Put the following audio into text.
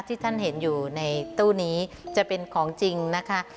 ที่ท่านเห็นอยู่ในตู้นี้จะเป็นของจริงนะคะ